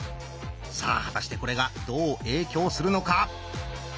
さあ果たしてこれがどう影響するのか？